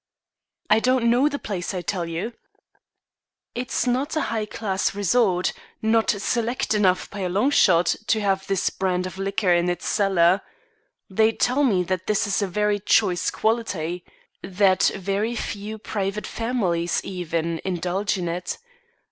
"I don't know the place, I tell you." "It's not a high class resort; not select enough by a long shot, to have this brand of liquor in its cellar. They tell me that this is of very choice quality. That very few private families, even, indulge in it.